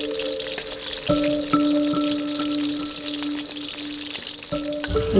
ตอนนี้ฟื้นอันตรายอีกที่